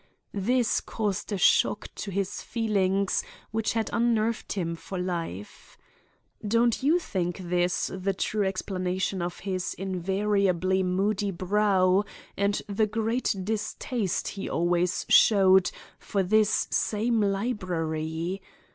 This caused a shock to his feelings which had unnerved him for life. Don't you think this the true explanation of his invariably moody brow and the great distaste he always showed for this same library?